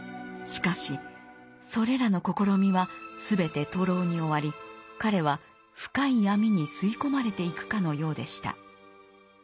しかしそれらの試みは全て徒労に終わり彼は深い闇に吸い込まれていくかのようでした。